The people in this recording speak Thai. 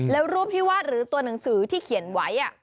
แล้วรูปที่วาดหรือตัวหนังสือที่เขียนไว้